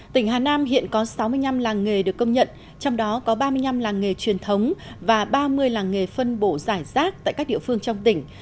tỉnh hà nam hiện có sáu mươi năm làng nghề được công nhận trong đó có ba mươi năm làng nghề truyền thống và ba mươi làng nghề phân bổ giải rác tại các địa phương trong tỉnh